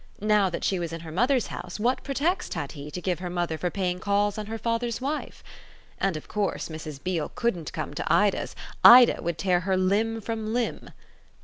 Now that she was in her mother's house what pretext had he to give her mother for paying calls on her father's wife? And of course Mrs. Beale couldn't come to Ida's Ida would tear her limb from limb.